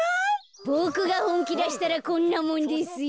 ボクがほんきだしたらこんなもんですよ。